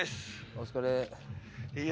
お疲れ。